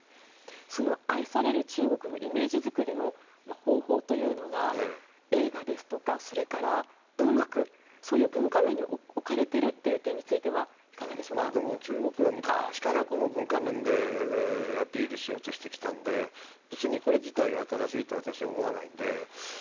その愛される中国のイメージづくりの方法が映画ですとか文学そういう文化面に置かれているという点については中国は昔からこの文化面でアピールしようとしてきたので別にこれ自体新しいとは思わないので。